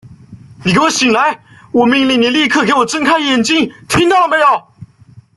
你给我醒来！我命令你立刻给我睁开眼睛，听到了没有！